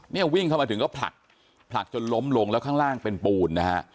เนี่ยวิ่งเข้ามาถึงก็ผลักผลักจนล้มลงแล้วข้างล่างเป็นปูนนะฮะ